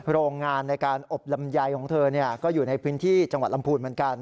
โรงงานในการอบลำไยของเธอก็อยู่ในพื้นที่จังหวัดลำพูนเหมือนกัน